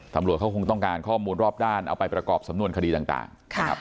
ตำรวจเขาคงต้องการข้อมูลรอบด้านเอาไปประกอบสำนวนคดีต่างนะครับ